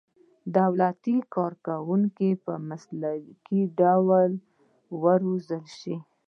دولتي کارکوونکي په مسلکي ډول وروزل شي.